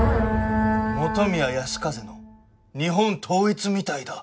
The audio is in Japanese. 本宮泰風の『日本統一』みたいだ。